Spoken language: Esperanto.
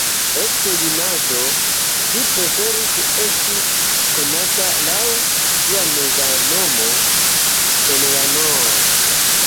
Ekde junaĝo, ŝi preferis esti konata laŭ sia meza nomo, Eleanor.